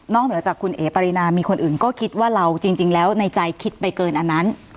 เหนือจากคุณเอ๋ปรินามีคนอื่นก็คิดว่าเราจริงแล้วในใจคิดไปเกินอันนั้น